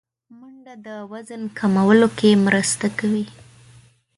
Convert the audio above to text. منډه د وزن کمولو کې مرسته کوي